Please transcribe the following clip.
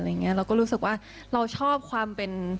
เราก็รู้สึกว่าเราชอบความเป็น